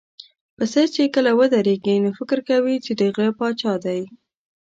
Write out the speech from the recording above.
پسه چې کله ودرېږي، نو فکر کوي چې د غره پاچا دی.